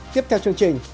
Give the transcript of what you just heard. tiếp theo chương trình